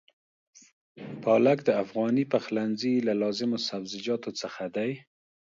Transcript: پالک د افغاني پخلنځي له لازمو سبزيجاتو څخه دی.